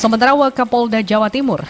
sementara wakapolda jawa timur